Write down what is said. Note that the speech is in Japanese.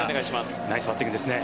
ナイスバッティングですね。